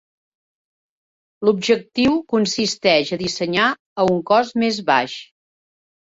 L'objectiu consisteix a dissenyar a un cost més baix.